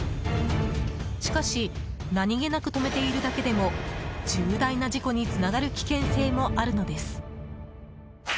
しかし、何気なく止めているだけでも重大な事故につながる危険性もあるのです。